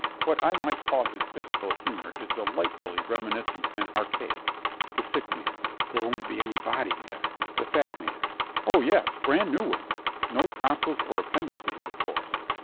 What I might call his physical humor is delightfully reminiscent and archaic. THE SICK MAN There won't be any bodies, then? THE FAT MAN Oh, yes, brand new ones. No tonsils or appendixes, of course.